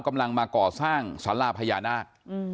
กำลังมาก่อสร้างสาราพญานาค